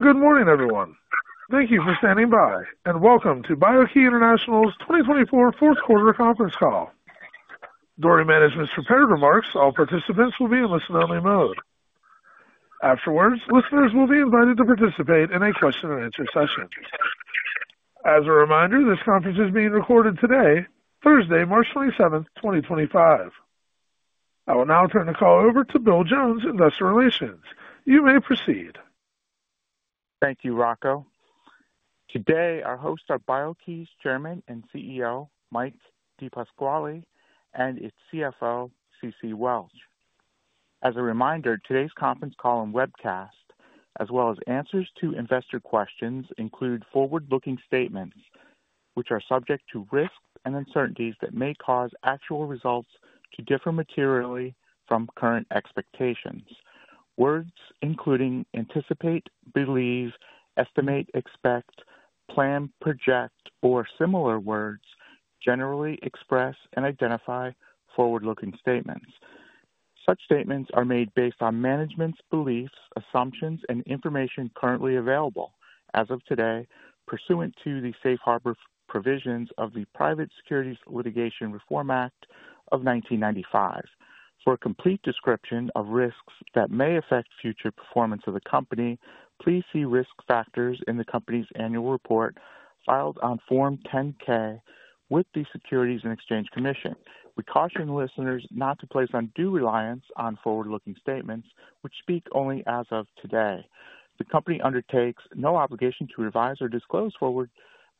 Good morning, everyone. Thank you for standing by, and welcome to BIO-key International's 2024 fourth quarter conference call. During management's prepared remarks, all participants will be in listen-only mode. Afterwards, listeners will be invited to participate in a question-and-answer session. As a reminder, this conference is being recorded today, Thursday, March 27, 2025. I will now turn the call over to Bill Jones, Investor Relations. You may proceed. Thank you, Rocco. Today, our hosts are BIO-key's Chairman and CEO, Mike DePasquale, and its CFO, Ceci Welch. As a reminder, today's conference call and webcast, as well as answers to investor questions, include forward-looking statements which are subject to risks and uncertainties that may cause actual results to differ materially from current expectations. Words including anticipate, believe, estimate, expect, plan, project, or similar words generally express and identify forward-looking statements. Such statements are made based on management's beliefs, assumptions, and information currently available as of today, pursuant to the safe harbor provisions of the Private Securities Litigation Reform Act of 1995. For a complete description of risks that may affect future performance of the company, please see risk factors in the company's annual report filed on Form 10-K with the Securities and Exchange Commission. We caution listeners not to place undue reliance on forward-looking statements which speak only as of today. The company undertakes no obligation to revise or disclose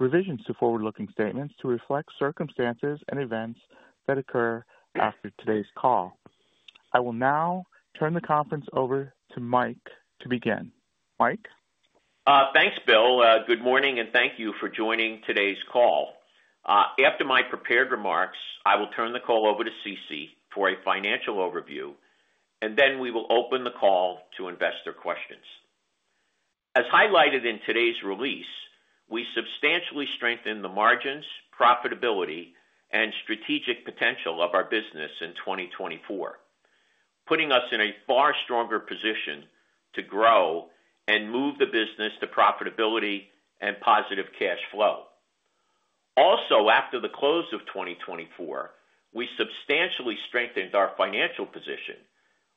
revisions to forward-looking statements to reflect circumstances and events that occur after today's call. I will now turn the conference over to Mike to begin. Mike. Thanks, Bill. Good morning, and thank you for joining today's call. After my prepared remarks, I will turn the call over to Ceci for a financial overview, and then we will open the call to investor questions. As highlighted in today's release, we substantially strengthened the margins, profitability, and strategic potential of our business in 2024, putting us in a far stronger position to grow and move the business to profitability and positive cash flow. Also, after the close of 2024, we substantially strengthened our financial position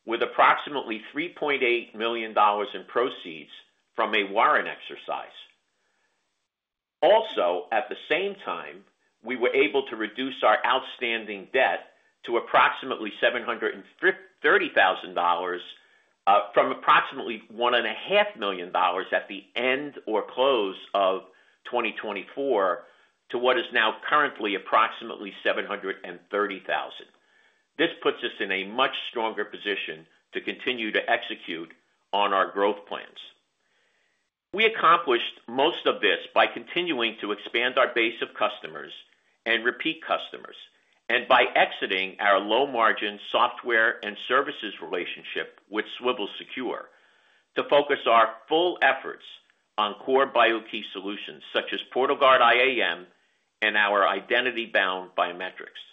with approximately $3.8 million in proceeds from a warrant exercise. Also, at the same time, we were able to reduce our outstanding debt to approximately $730,000 from approximately $1.5 million at the end or close of 2024 to what is now currently approximately $730,000. This puts us in a much stronger position to continue to execute on our growth plans. We accomplished most of this by continuing to expand our base of customers and repeat customers, and by exiting our low-margin software and services relationship with Swivel Secure to focus our full efforts on core BIO-key solutions such as PortalGuard IAM and our identity-bound biometrics.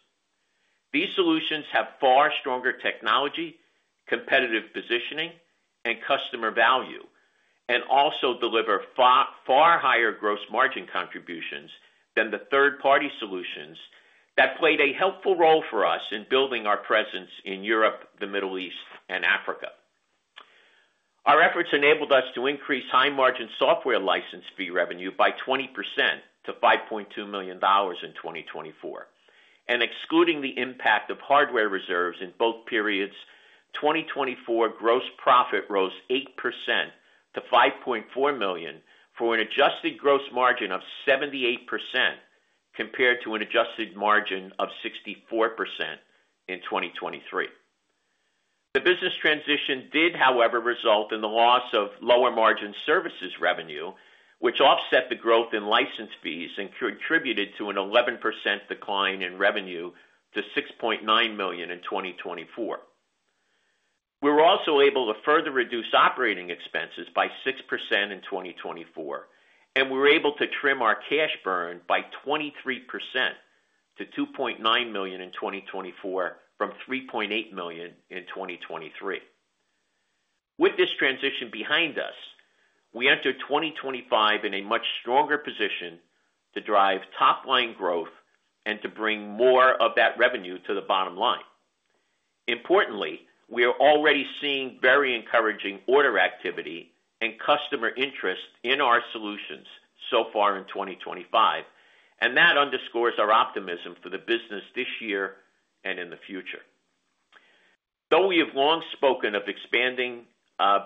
These solutions have far stronger technology, competitive positioning, and customer value, and also deliver far higher gross margin contributions than the third-party solutions that played a helpful role for us in building our presence in Europe, the Middle East, and Africa. Our efforts enabled us to increase high-margin software license fee revenue by 20% to $5.2 million in 2024. Excluding the impact of hardware reserves in both periods, 2024 gross profit rose 8% to $5.4 million for an adjusted gross margin of 78% compared to an adjusted margin of 64% in 2023. The business transition did, however, result in the loss of lower-margin services revenue, which offset the growth in license fees and contributed to an 11% decline in revenue to $6.9 million in 2024. We were also able to further reduce operating expenses by 6% in 2024, and we were able to trim our cash burn by 23% to $2.9 million in 2024 from $3.8 million in 2023. With this transition behind us, we entered 2025 in a much stronger position to drive top-line growth and to bring more of that revenue to the bottom line. Importantly, we are already seeing very encouraging order activity and customer interest in our solutions so far in 2025, and that underscores our optimism for the business this year and in the future. Though we have long spoken of expanding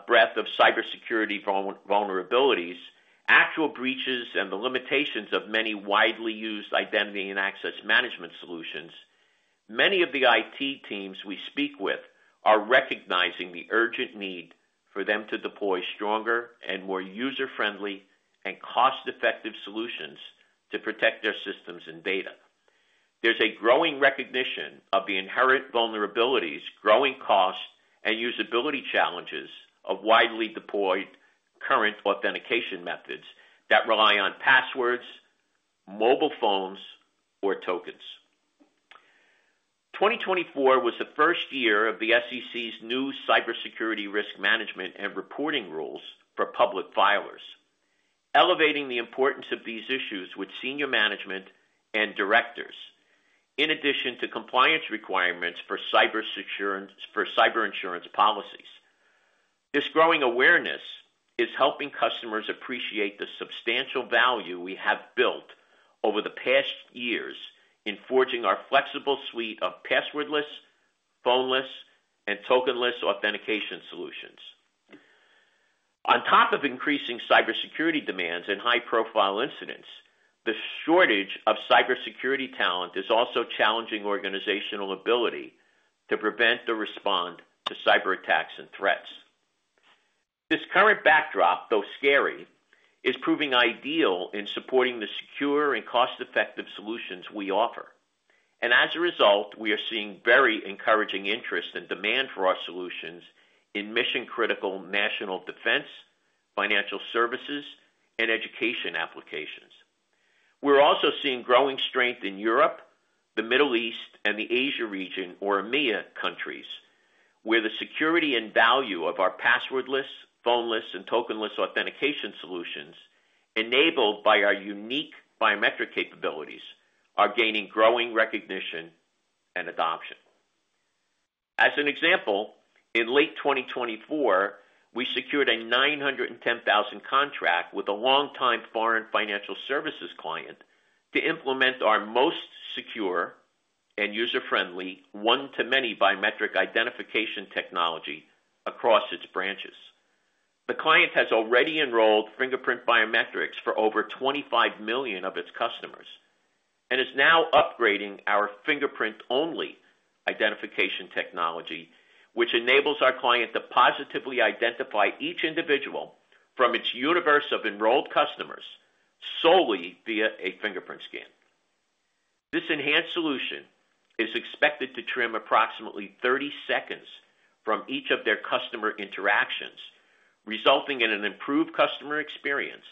breadth of cybersecurity vulnerabilities, actual breaches, and the limitations of many widely used identity and access management solutions, many of the IT teams we speak with are recognizing the urgent need for them to deploy stronger and more user-friendly and cost-effective solutions to protect their systems and data. There is a growing recognition of the inherent vulnerabilities, growing costs, and usability challenges of widely deployed current authentication methods that rely on passwords, mobile phones, or tokens. 2024 was the first year of the SEC's new cybersecurity risk management and reporting rules for public filers, elevating the importance of these issues with senior management and directors, in addition to compliance requirements for cyber insurance policies. This growing awareness is helping customers appreciate the substantial value we have built over the past years in forging our flexible suite of passwordless, phone-less, and token-less authentication solutions. On top of increasing cybersecurity demands and high-profile incidents, the shortage of cybersecurity talent is also challenging organizational ability to prevent or respond to cyber attacks and threats. This current backdrop, though scary, is proving ideal in supporting the secure and cost-effective solutions we offer. As a result, we are seeing very encouraging interest and demand for our solutions in mission-critical national defense, financial services, and education applications. We are also seeing growing strength in Europe, the Middle East, and the Asia region, or EMEA countries, where the security and value of our passwordless, phone-less, and token-less authentication solutions, enabled by our unique biometric capabilities, are gaining growing recognition and adoption. As an example, in late 2024, we secured a $910,000 contract with a longtime foreign financial services client to implement our most secure and user-friendly one-to-many biometric identification technology across its branches. The client has already enrolled fingerprint biometrics for over 25 million of its customers and is now upgrading our fingerprint-only identification technology, which enables our client to positively identify each individual from its universe of enrolled customers solely via a fingerprint scan. This enhanced solution is expected to trim approximately 30 seconds from each of their customer interactions, resulting in an improved customer experience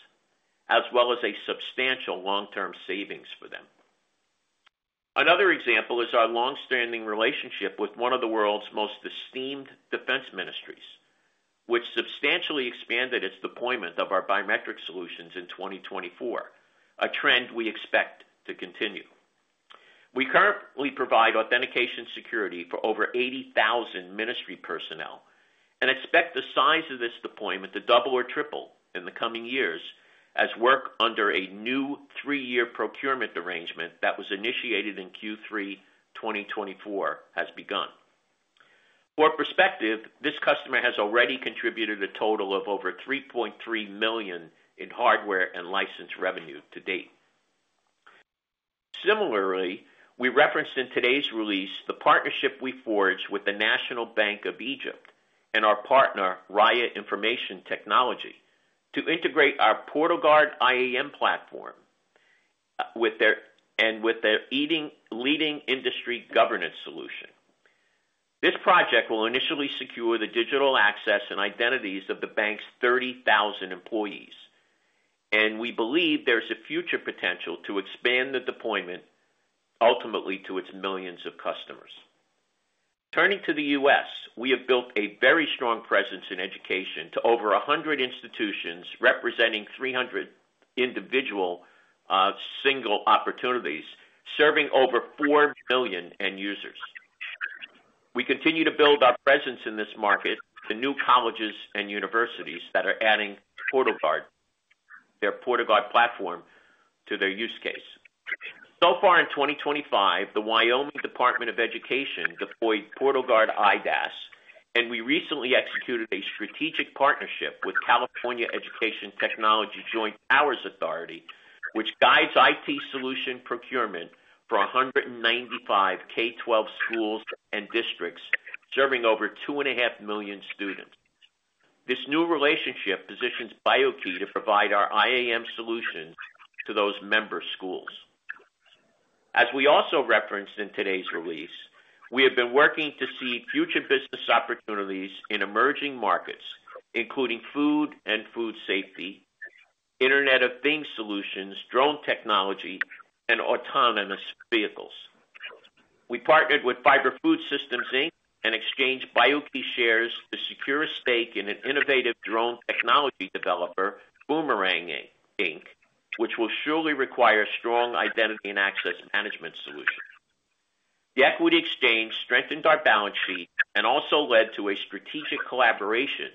as well as substantial long-term savings for them. Another example is our long-standing relationship with one of the world's most esteemed defense ministries, which substantially expanded its deployment of our biometric solutions in 2024, a trend we expect to continue. We currently provide authentication security for over 80,000 ministry personnel and expect the size of this deployment to double or triple in the coming years as work under a new three-year procurement arrangement that was initiated in Q3 2024 has begun. For perspective, this customer has already contributed a total of over $3.3 million in hardware and license revenue to date. Similarly, we referenced in today's release the partnership we forged with the National Bank of Egypt and our partner, Raya Information Technology, to integrate our PortalGuard IAM platform and with their leading industry governance solution. This project will initially secure the digital access and identities of the bank's 30,000 employees, and we believe there's a future potential to expand the deployment ultimately to its millions of customers. Turning to the U.S., we have built a very strong presence in education to over 100 institutions representing 300 individual single opportunities, serving over 4 million end users. We continue to build our presence in this market to new colleges and universities that are adding PortalGuard, their PortalGuard platform, to their use case. In 2025, the Wyoming Department of Education deployed PortalGuard IDaaS, and we recently executed a strategic partnership with California Ed Tech JPA, which guides IT solution procurement for 195 K-12 schools and districts, serving over 2.5 million students. This new relationship positions BIO-key to provide our IAM solutions to those member schools. As we also referenced in today's release, we have been working to see future business opportunities in emerging markets, including food and food safety, Internet of Things solutions, drone technology, and autonomous vehicles. We partnered with Fiver Food Systems and exchanged BIO-key shares to secure a stake in an innovative drone technology developer, Boomerang, which will surely require strong identity and access management solutions. The equity exchange strengthened our balance sheet and also led to a strategic collaboration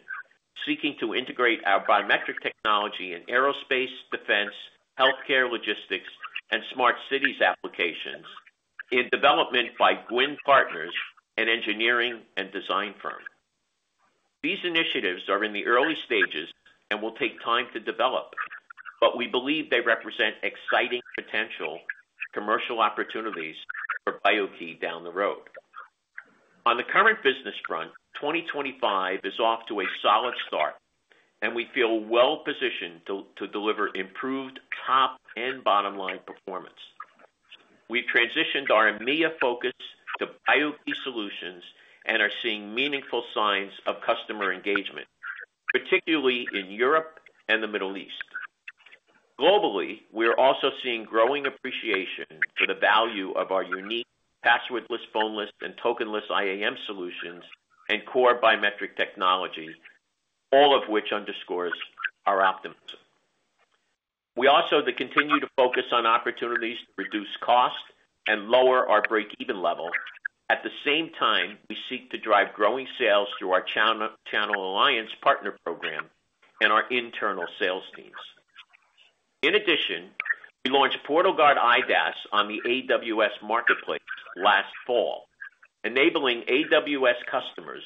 seeking to integrate our biometric technology in aerospace, defense, healthcare logistics, and smart cities applications in development by Guinn Partners, an engineering and design firm. These initiatives are in the early stages and will take time to develop, but we believe they represent exciting potential commercial opportunities for BIO-key down the road. On the current business front, 2025 is off to a solid start, and we feel well-positioned to deliver improved top and bottom-line performance. We've transitioned our EMEA focus to BIO-key solutions and are seeing meaningful signs of customer engagement, particularly in Europe and the Middle East. Globally, we are also seeing growing appreciation for the value of our unique passwordless, phone-less, and token-less IAM solutions and core biometric technology, all of which underscores our optimism. We also continue to focus on opportunities to reduce cost and lower our break-even level. At the same time, we seek to drive growing sales through our channel alliance partner program and our internal sales teams. In addition, we launched PortalGuard IDaaS on the AWS Marketplace last fall, enabling AWS customers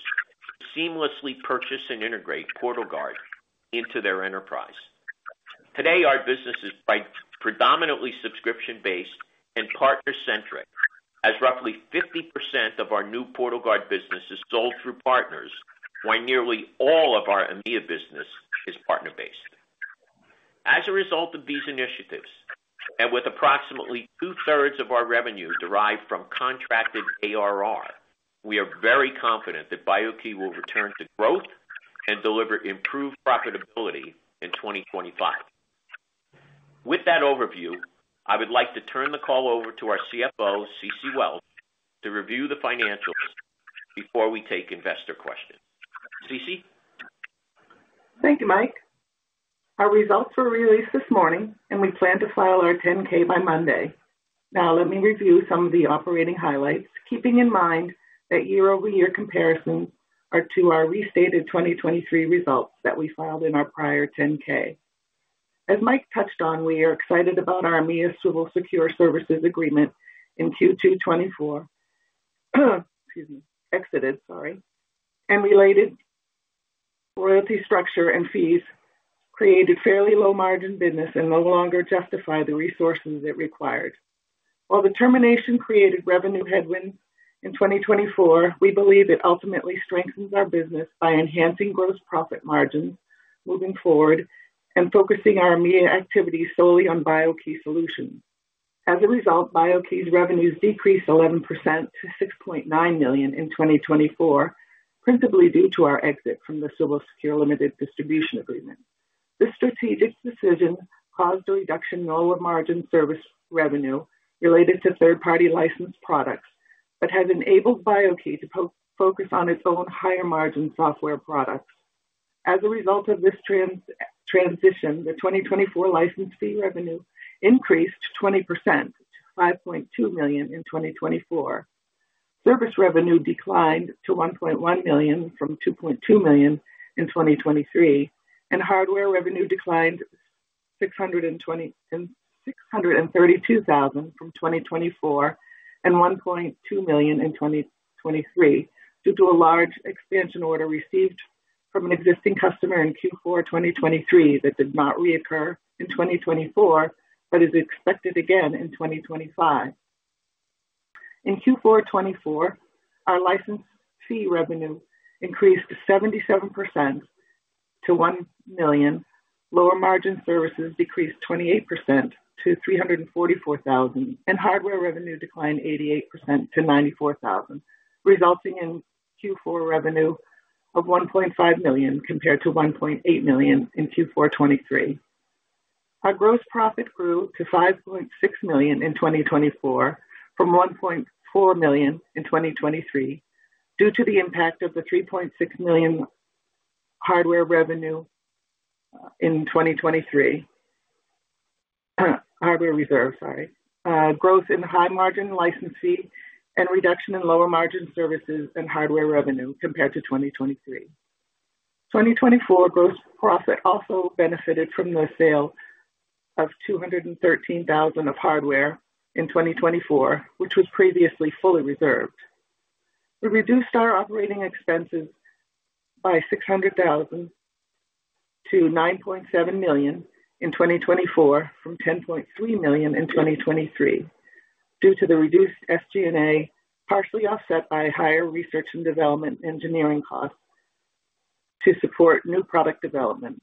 to seamlessly purchase and integrate PortalGuard into their enterprise. Today, our business is predominantly subscription-based and partner-centric, as roughly 50% of our new PortalGuard business is sold through partners, while nearly all of our EMEA business is partner-based. As a result of these initiatives and with approximately two-thirds of our revenue derived from contracted ARR, we are very confident that BIO-key will return to growth and deliver improved profitability in 2025. With that overview, I would like to turn the call over to our CFO, Ceci Welch, to review the financials before we take investor questions. Thank you, Mike. Our results were released this morning, and we plan to file our 10-K by Monday. Now, let me review some of the operating highlights, keeping in mind that year-over-year comparisons are to our restated 2023 results that we filed in our prior 10-K. As Mike touched on, we are excited about our EMEA civil secure services agreement in Q2 2024, exited, sorry, and related royalty structure and fees created fairly low-margin business and no longer justify the resources it required. While the termination created revenue headwinds in 2024, we believe it ultimately strengthens our business by enhancing gross profit margins moving forward and focusing our EMEA activity solely on BIO-key solutions. As a result, BIO-key's revenues decreased 11% to $6.9 million in 2024, principally due to our exit from the civil secure limited distribution agreement. This strategic decision caused a reduction in lower-margin service revenue related to third-party licensed products that has enabled BIO-key to focus on its own higher-margin software products. As a result of this transition, the 2024 license fee revenue increased 20% to $5.2 million in 2024. Service revenue declined to $1.1 million from $2.2 million in 2023, and hardware revenue declined to $632,000 from 2024 and $1.2 million in 2023 due to a large expansion order received from an existing customer in Q4 2023 that did not reoccur in 2024 but is expected again in 2025. In Q4 2024, our license fee revenue increased 77% to $1 million, lower-margin services decreased 28% to $344,000, and hardware revenue declined 88% to $94,000, resulting in Q4 revenue of $1.5 million compared to $1.8 million in Q4 2023. Our gross profit grew to $5.6 million in 2024 from $1.4 million in 2023 due to the impact of the $3.6 million hardware revenue in 2023, hardware reserve, sorry, growth in high-margin license fee and reduction in lower-margin services and hardware revenue compared to 2023. 2024 gross profit also benefited from the sale of $213,000 of hardware in 2024, which was previously fully reserved. We reduced our operating expenses by $600,000 to $9.7 million in 2024 from $10.3 million in 2023 due to the reduced SG&A, partially offset by higher research and development engineering costs to support new product development.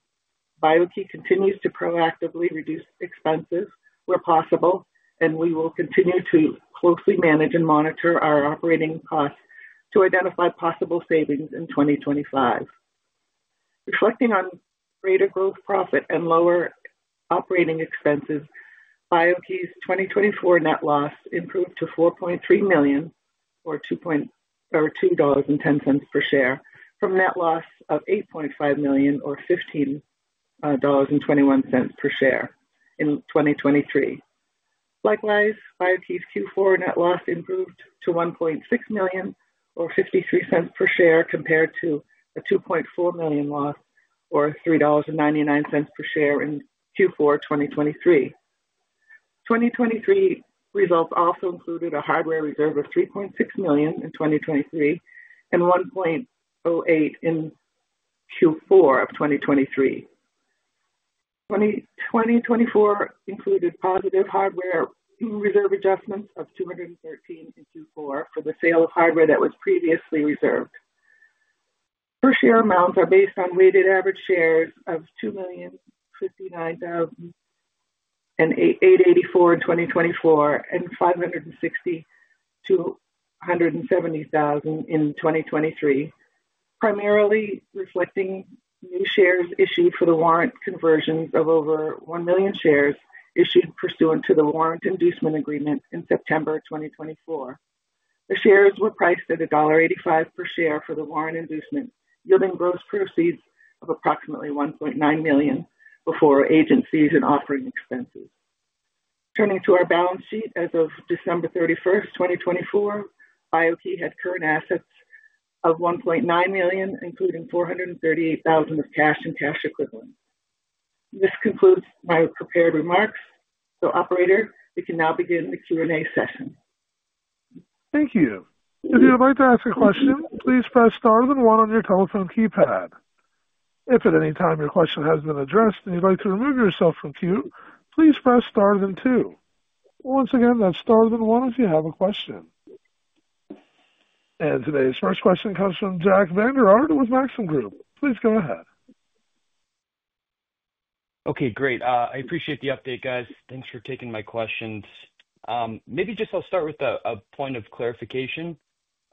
BIO-key continues to proactively reduce expenses where possible, and we will continue to closely manage and monitor our operating costs to identify possible savings in 2025. Reflecting on greater gross profit and lower operating expenses, BIO-key's 2024 net loss improved to $4.3 million or $2.10 per share from net loss of $8.5 million or $15.21 per share in 2023. Likewise, BIO-key's Q4 net loss improved to $1.6 million or $0.53 per share compared to a $2.4 million loss or $3.99 per share in Q4 2023. 2023 results also included a hardware reserve of $3.6 million in 2023 and $1.08 million in Q4 of 2023. 2024 included positive hardware reserve adjustments of $213,000 in Q4 for the sale of hardware that was previously reserved. Per share amounts are based on weighted average shares of 2,059,884 in 2024 and 560,270 in 2023, primarily reflecting new shares issued for the warrant conversions of over 1 million shares issued pursuant to the warrant inducement agreement in September 2024. The shares were priced at $1.85 per share for the warrant inducement, yielding gross proceeds of approximately $1.9 million before agencies and offering expenses. Turning to our balance sheet as of December 31, 2024, BIO-key had current assets of $1.9 million, including $438,000 of cash and cash equivalent. This concludes my prepared remarks. Operator, we can now begin the Q&A session. Thank you. If you'd like to ask a question, please press star then one on your telephone keypad. If at any time your question has been addressed and you'd like to remove yourself from queue, please press star then two. Once again, that's star then one if you have a question. Today's first question comes from Jack Vander Aarde with Maxim Group. Please go ahead. Okay, great. I appreciate the update, guys. Thanks for taking my questions. Maybe just I'll start with a point of clarification. Did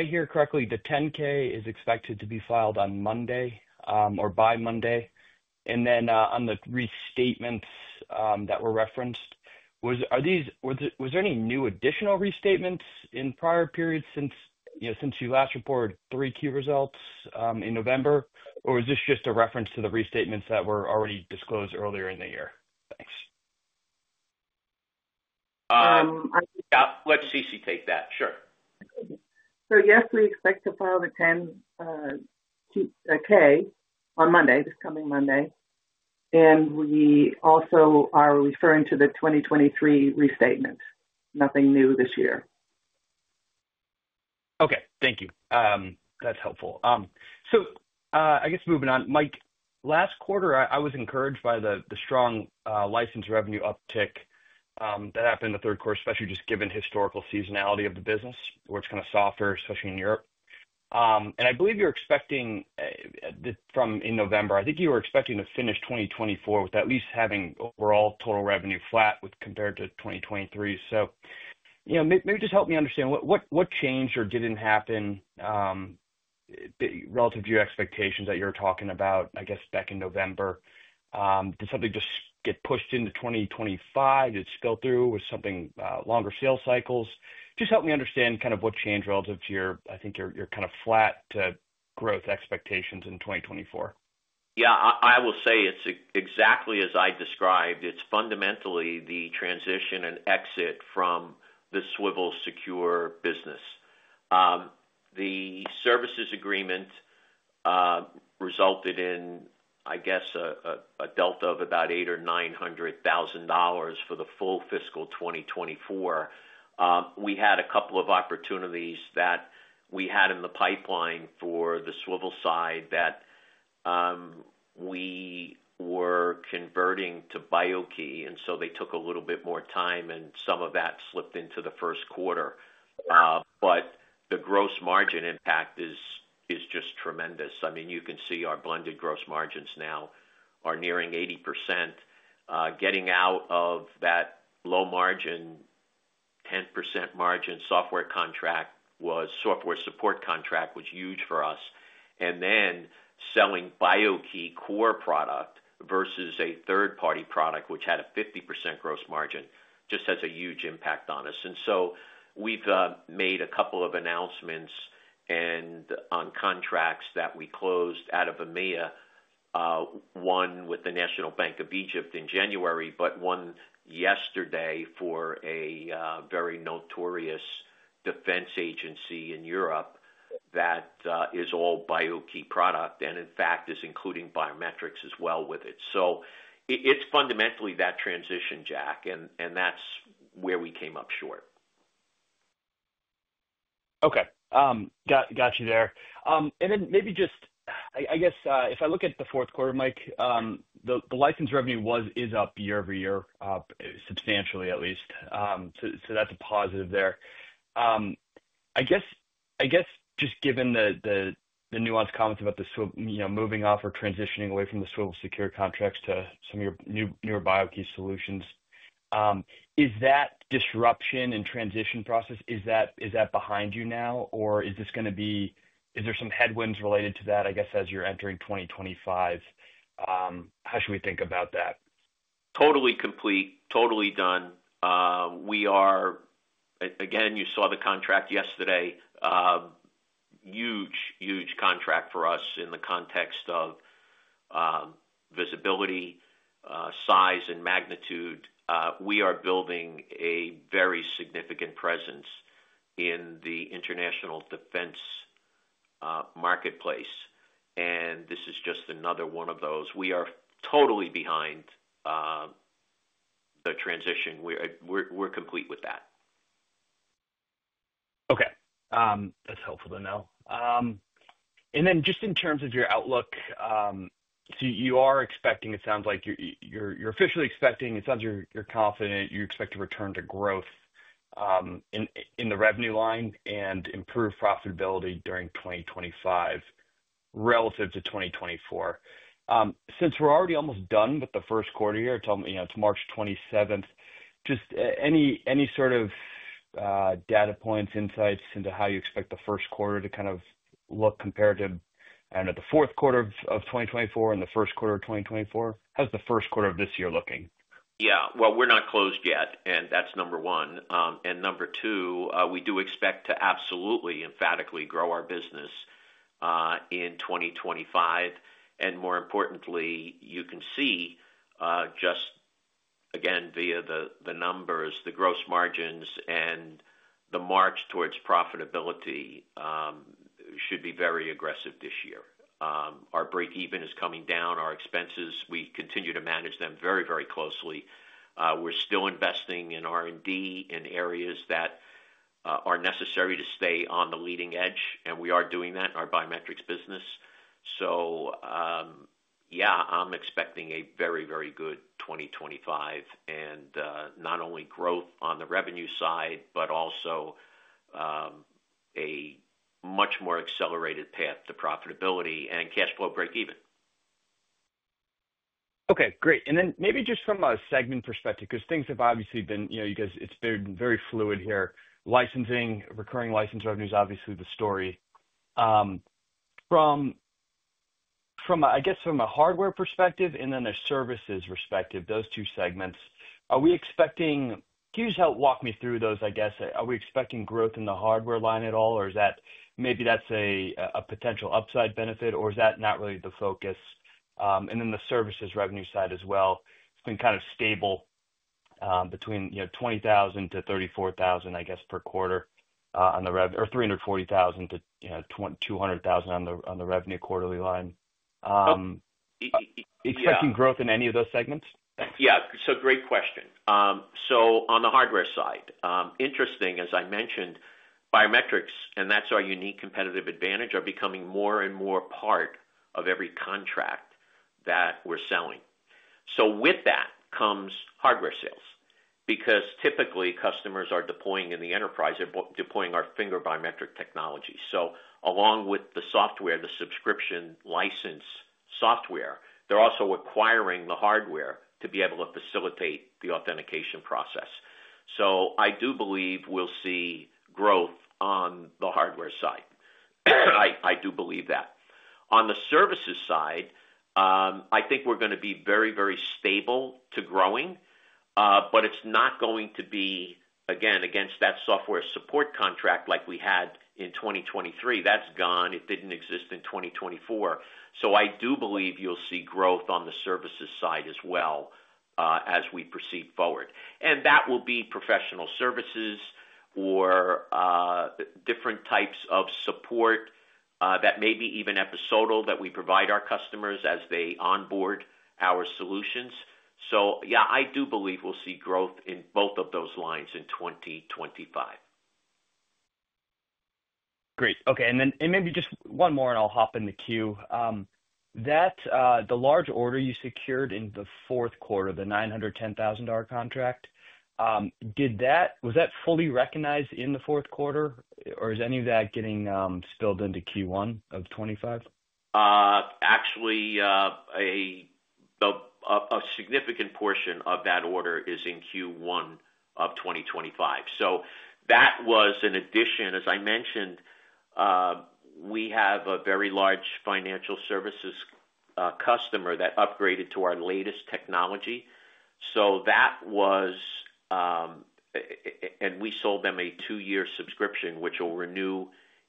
I hear correctly? The 10-K is expected to be filed on Monday or by Monday. On the restatements that were referenced, was there any new additional restatements in prior periods since you last reported three key results in November, or is this just a reference to the restatements that were already disclosed earlier in the year? Thanks. Yeah, let Ceci take that. Sure. Yes, we expect to file the 10-K on Monday, this coming Monday. We also are referring to the 2023 restatements. Nothing new this year. Okay, thank you. That's helpful. I guess moving on, Mike, last quarter, I was encouraged by the strong license revenue uptick that happened in the third quarter, especially just given historical seasonality of the business, where it's kind of softer, especially in Europe. I believe you were expecting from in November, I think you were expecting to finish 2024 with at least having overall total revenue flat compared to 2023. Maybe just help me understand what changed or did not happen relative to your expectations that you were talking about, I guess, back in November. Did something just get pushed into 2025? Did it spill through with something longer sales cycles? Just help me understand kind of what changed relative to your, I think, your kind of flat growth expectations in 2024. Yeah, I will say it is exactly as I described. It is fundamentally the transition and exit from the Swivel Secure business. The services agreement resulted in, I guess, a delta of about $800,000 or $900,000 for the full fiscal 2024. We had a couple of opportunities that we had in the pipeline for the Swivel side that we were converting to BIO-key, and so they took a little bit more time, and some of that slipped into the first quarter. The gross margin impact is just tremendous. I mean, you can see our blended gross margins now are nearing 80%. Getting out of that low-margin, 10% margin software support contract was huge for us. Selling BIO-key core product versus a third-party product, which had a 50% gross margin, just has a huge impact on us. We have made a couple of announcements on contracts that we closed out of EMEA, one with the National Bank of Egypt in January, but one yesterday for a very notorious defense agency in Europe that is all BIO-key product and, in fact, is including biometrics as well with it. It is fundamentally that transition, Jack, and that is where we came up short. Okay. Got you there. Maybe just, I guess, if I look at the fourth quarter, Mike, the license revenue is up year over year substantially, at least. That is a positive there. I guess just given the nuanced comments about the moving off or transitioning away from the Swivel Secure contracts to some of your newer BIO-key solutions, is that disruption and transition process, is that behind you now, or is this going to be is there some headwinds related to that, I guess, as you're entering 2025? How should we think about that? Totally complete, totally done. We are, again, you saw the contract yesterday, huge, huge contract for us in the context of visibility, size, and magnitude. We are building a very significant presence in the international defense marketplace, and this is just another one of those. We are totally behind the transition. We're complete with that. Okay. That's helpful to know. Just in terms of your outlook, you are expecting, it sounds like you're officially expecting, it sounds like you're confident you expect to return to growth in the revenue line and improve profitability during 2025 relative to 2024. Since we're already almost done with the first quarter here, it's March 27th, just any sort of data points, insights into how you expect the first quarter to kind of look compared to, I don't know, the fourth quarter of 2024 and the first quarter of 2024? How's the first quarter of this year looking? Yeah. We're not closed yet, that's number one. Number two, we do expect to absolutely emphatically grow our business in 2025. More importantly, you can see just, again, via the numbers, the gross margins and the march towards profitability should be very aggressive this year. Our break-even is coming down. Our expenses, we continue to manage them very, very closely. We're still investing in R&D in areas that are necessary to stay on the leading edge, and we are doing that in our biometrics business. Yeah, I'm expecting a very, very good 2025 and not only growth on the revenue side, but also a much more accelerated path to profitability and cash flow break-even. Okay. Great. Maybe just from a segment perspective, because things have obviously been, you guys, it's been very fluid here. Licensing, recurring license revenue is obviously the story. From, I guess, from a hardware perspective and then a services perspective, those two segments, are we expecting—can you just help walk me through those, I guess? Are we expecting growth in the hardware line at all, or is that maybe that's a potential upside benefit, or is that not really the focus? Then the services revenue side as well, it's been kind of stable between $20,000 and $34,000, I guess, per quarter on the revenue, or $340,000 to $200,000 on the revenue quarterly line. Expecting growth in any of those segments? Yeah. Great question. On the hardware side, interesting, as I mentioned, biometrics, and that's our unique competitive advantage, are becoming more and more part of every contract that we're selling. With that comes hardware sales, because typically customers are deploying in the enterprise, they're deploying our finger biometric technology. Along with the software, the subscription license software, they're also acquiring the hardware to be able to facilitate the authentication process. I do believe we'll see growth on the hardware side. I do believe that. On the services side, I think we're going to be very, very stable to growing, but it's not going to be, again, against that software support contract like we had in 2023. That's gone. It didn't exist in 2024. I do believe you'll see growth on the services side as well as we proceed forward. That will be professional services or different types of support that may be even episodeal that we provide our customers as they onboard our solutions. Yeah, I do believe we'll see growth in both of those lines in 2025. Great. Okay. Maybe just one more and I'll hop in the queue. The large order you secured in the fourth quarter, the $910,000 contract, was that fully recognized in the fourth quarter, or is any of that getting spilled into Q1 of 2025? Actually, a significant portion of that order is in Q1 of 2025. That was an addition. As I mentioned, we have a very large financial services customer that upgraded to our latest technology. That was, and we sold them a two-year subscription, which will renew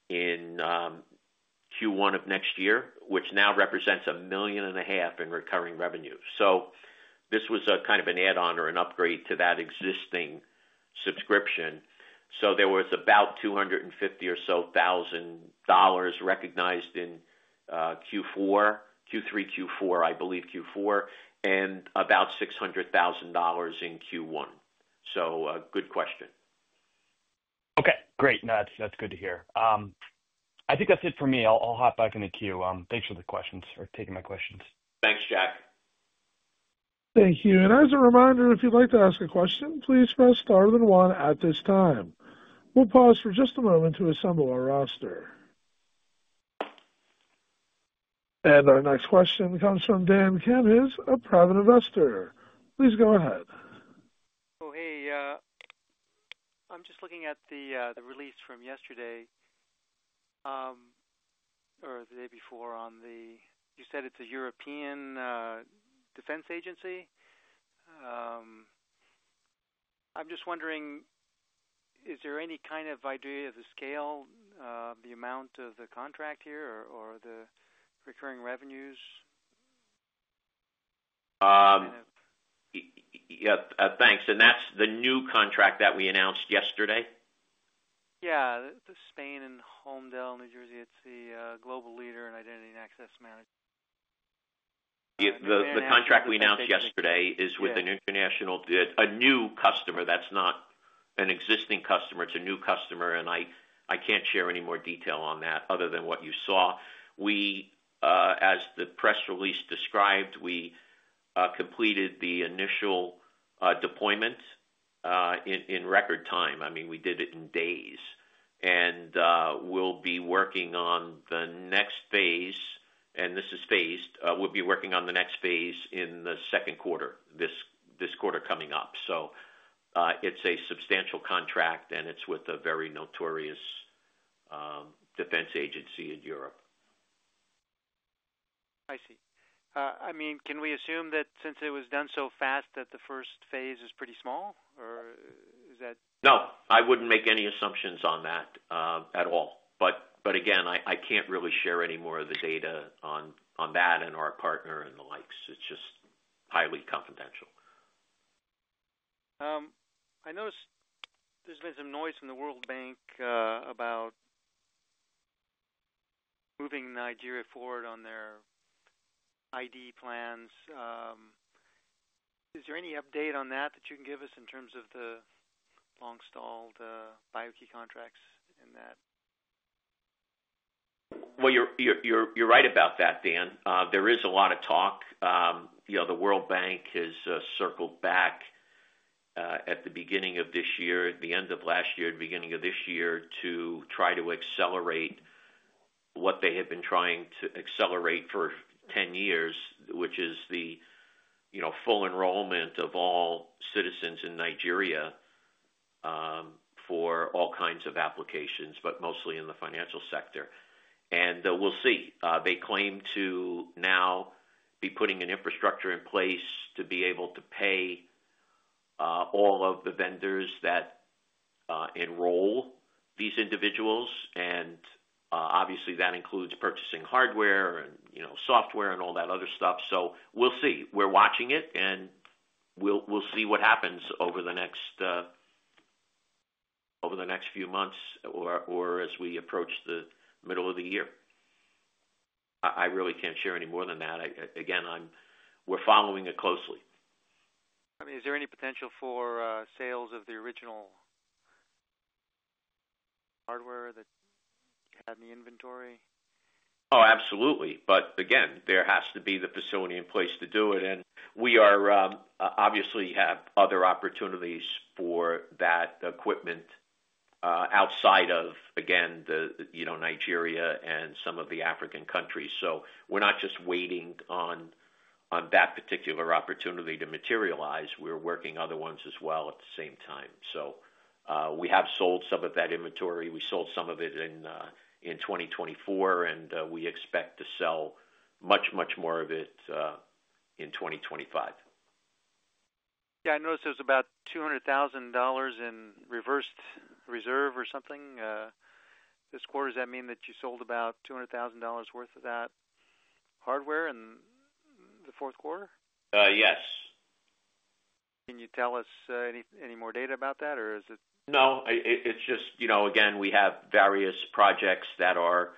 in Q1 of next year, which now represents $1.5 million in recurring revenue. This was kind of an add-on or an upgrade to that existing subscription. There was about $250,000 or so recognized in Q3, Q4, I believe Q4, and about $600,000 in Q1. Good question. Okay. Great. No, that's good to hear. I think that's it for me. I'll hop back in the queue. Thanks for the questions or taking my questions. Thanks, Jack. Thank you. As a reminder, if you'd like to ask a question, please press star then one at this time. We'll pause for just a moment to assemble our roster. Our next question comes from Dan Cannis, a private investor. Please go ahead. Oh, hey. I'm just looking at the release from yesterday or the day before on the—you said it's a European defense agency. I'm just wondering, is there any kind of idea of the scale, the amount of the contract here, or the recurring revenues? Yep. Thanks. That's the new contract that we announced yesterday? Yeah. Spain and Holmdel, New Jersey. It's the global leader in identity and access management. The contract we announced yesterday is with a new customer. That's not an existing customer. It's a new customer. I can't share any more detail on that other than what you saw. As the press release described, we completed the initial deployment in record time. I mean, we did it in days. We will be working on the next phase, and this is phased. We will be working on the next phase in the second quarter, this quarter coming up. It is a substantial contract, and it is with a very notorious defense agency in Europe. I see. I mean, can we assume that since it was done so fast that the first phase is pretty small, or is that? No, I would not make any assumptions on that at all. Again, I cannot really share any more of the data on that and our partner and the likes. It is just highly confidential. I noticed there has been some noise from the World Bank about moving Nigeria forward on their ID plans. Is there any update on that that you can give us in terms of the long-stalled BIO-key contracts and that? You're right about that, Dan. There is a lot of talk. The World Bank has circled back at the beginning of this year, the end of last year, the beginning of this year to try to accelerate what they have been trying to accelerate for 10 years, which is the full enrollment of all citizens in Nigeria for all kinds of applications, but mostly in the financial sector. We will see. They claim to now be putting an infrastructure in place to be able to pay all of the vendors that enroll these individuals. Obviously, that includes purchasing hardware and software and all that other stuff. We will see. We're watching it, and we'll see what happens over the next few months or as we approach the middle of the year. I really can't share any more than that. Again, we're following it closely. I mean, is there any potential for sales of the original hardware that you have in the inventory? Oh, absolutely. Again, there has to be the facility in place to do it. We obviously have other opportunities for that equipment outside of, again, Nigeria and some of the African countries. We're not just waiting on that particular opportunity to materialize. We're working other ones as well at the same time. We have sold some of that inventory. We sold some of it in 2024, and we expect to sell much, much more of it in 2025. Yeah. I noticed there's about $200,000 in reversed reserve or something this quarter. Does that mean that you sold about $200,000 worth of that hardware in the fourth quarter? Yes. Can you tell us any more data about that, or is it? No. It's just, again, we have various projects that are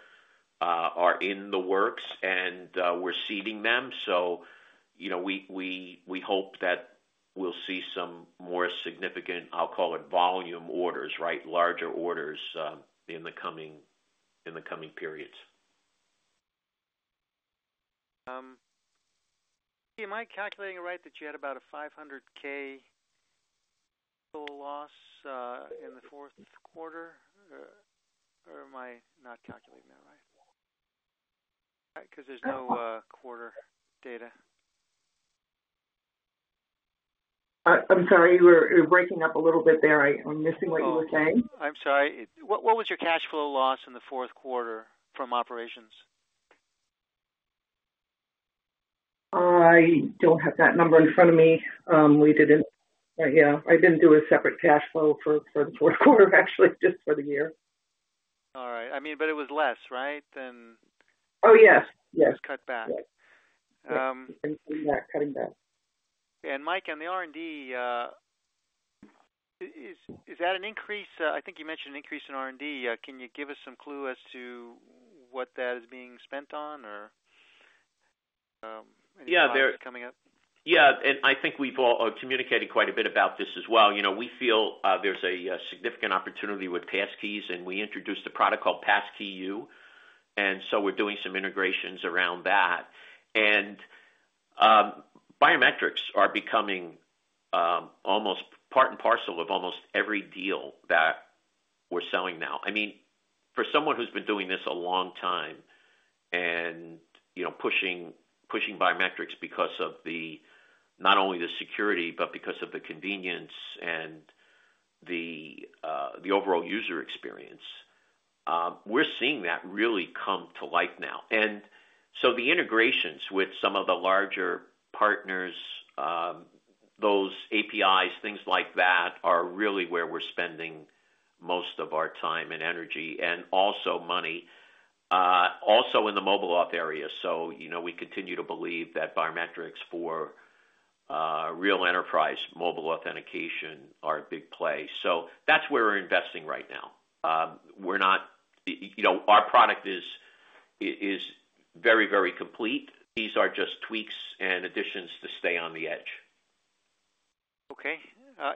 in the works, and we're seeding them. We hope that we'll see some more significant, I'll call it volume orders, right, larger orders in the coming periods. Am I calculating it right that you had about a $500,000 total loss in the fourth quarter, or am I not calculating that right? Because there's no quarter data. I'm sorry. You were breaking up a little bit there. I'm missing what you were saying. I'm sorry. What was your cash flow loss in the fourth quarter from operations? I don't have that number in front of me. We didn't—yeah. I didn't do a separate cash flow for the fourth quarter, actually, just for the year. All right. I mean, but it was less, right, than—Oh, yes. Yes. It was cut back. Yes. And cutting back. And Mike, on the R&D, is that an increase? I think you mentioned an increase in R&D. Can you give us some clue as to what that is being spent on, or anything else coming up? Yeah. I think we've communicated quite a bit about this as well. We feel there's a significant opportunity with passkeys, and we introduced a product called Passkey:YOU. We are doing some integrations around that. Biometrics are becoming almost part and parcel of almost every deal that we're selling now. I mean, for someone who's been doing this a long time and pushing biometrics because of not only the security, but because of the convenience and the overall user experience, we're seeing that really come to life now. The integrations with some of the larger partners, those APIs, things like that, are really where we're spending most of our time and energy and also money, also in the mobile auth area. We continue to believe that biometrics for real enterprise mobile authentication are a big play. That's where we're investing right now. We're not—our product is very, very complete. These are just tweaks and additions to stay on the edge. Okay.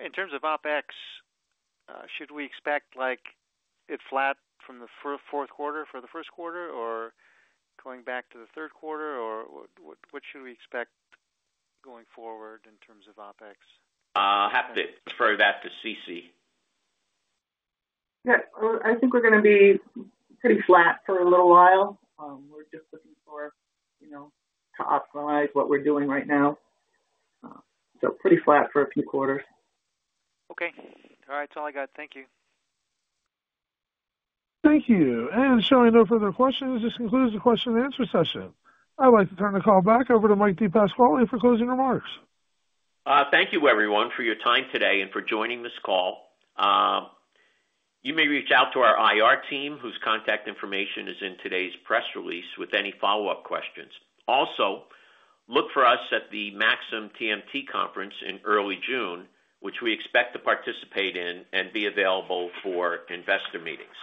In terms of OpEx, should we expect it flat from the fourth quarter for the first quarter, or going back to the third quarter, or what should we expect going forward in terms of OpEx? Have to defer that to Ceci. Yeah. I think we're going to be pretty flat for a little while. We're just looking to optimize what we're doing right now. So pretty flat for a few quarters. Okay. All right. That's all I got. Thank you. Thank you. Should I know further questions, this concludes the question-and-answer session. I'd like to turn the call back over to Mike DePasquale for closing remarks. Thank you, everyone, for your time today and for joining this call. You may reach out to our IR team, whose contact information is in today's press release, with any follow-up questions. Also, look for us at the Maxim TMT conference in early June, which we expect to participate in and be available for investor meetings.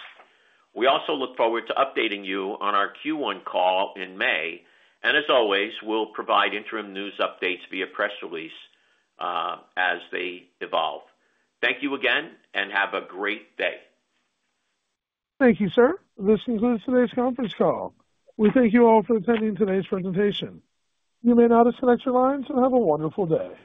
We also look forward to updating you on our Q1 call in May. As always, we'll provide interim news updates via press release as they evolve. Thank you again, and have a great day. Thank you, sir. This concludes today's conference call. We thank you all for attending today's presentation. You may now disconnect your lines and have a wonderful day.